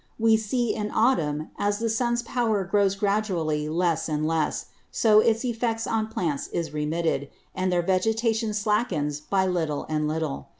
We see in Autumn, as the Sun's Power grows gradually less and less, so its Effects on Plants is remitted, and their Vegetation slackens by little and little.